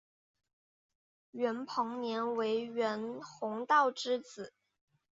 袁彭年为袁宏道之子。